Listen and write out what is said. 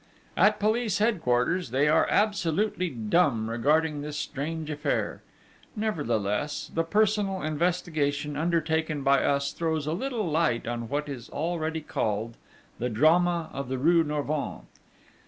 At police headquarters they are absolutely dumb regarding this strange affair. Nevertheless, the personal investigation undertaken by us throws a little light on what is already called: The Drama of the Rue Norvins.